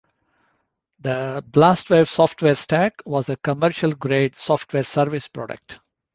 The "Blastwave Software Stack" was a commercial-grade software service product.